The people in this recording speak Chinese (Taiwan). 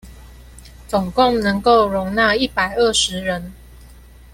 總共能夠容納一百二十人